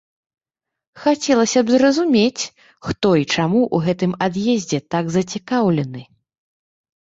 Хацелася б зразумець, хто і чаму ў гэтым ад'ездзе так зацікаўлены.